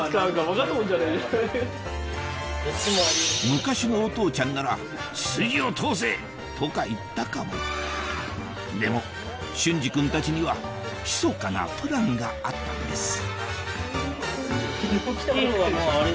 昔のお父ちゃんなら「筋を通せ！」とか言ったかもでも隼司君たちには密かなプランがあったんです